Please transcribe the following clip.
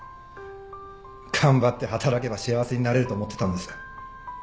頑張って働けば幸せになれると思ってたんです。